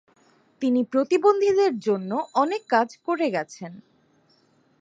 তিনি প্রতিবন্ধীদের জন্য অনেক কাজ করে গেছেন।